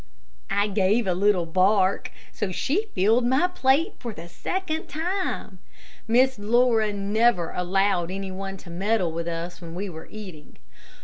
I gave a little bark, so she filled my plate for the second time. Miss Laura never allowed any one to meddle with us when we were eating.